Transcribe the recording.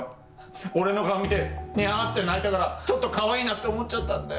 俺の顔見て「ニャー」って鳴いたからちょっとかわいいなって思っちゃったんだよ。